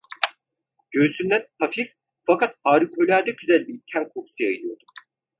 Göğsünden hafif fakat harikulade güzel bir ten kokusu yayılıyordu.